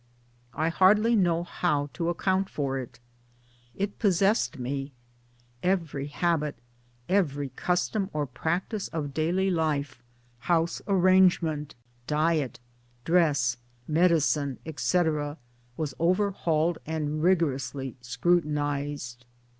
I hardly know how to account for it. It pos , sessed me. Every habit, every custom or practice of daily life house arrangement, diet, dress, medi MANUAL .WORK 113 cine, etc., was overhauled and rigorously scrutinized.